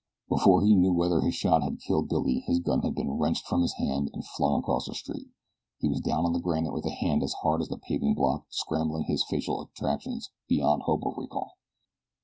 Before he knew whether his shot had killed Billy his gun had been wrenched from his hand and flung across the street; he was down on the granite with a hand as hard as the paving block scrambling his facial attractions beyond hope of recall.